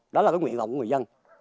đó là cái nguyện vọng của người dân